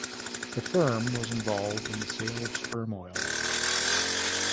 The firm was involved in the sale of sperm oil.